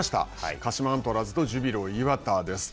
鹿島アントラーズとジュビロ磐田です。